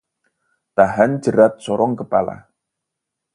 Tahan jerat sorong kepala